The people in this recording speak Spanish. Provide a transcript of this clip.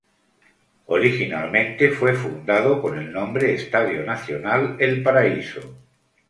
Originalmente fue fundado con el nombre Estadio Nacional El Paraíso.